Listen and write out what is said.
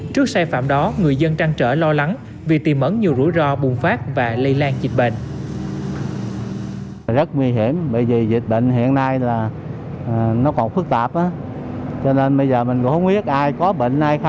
trước sai phạm đó người dân trăn trở lo lắng vì tìm ẩn nhiều rủi ro bùng phát và lây lan dịch bệnh